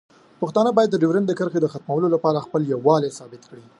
پښتانه باید د ډیورنډ کرښې د ختمولو لپاره خپل یووالی ثابت کړي.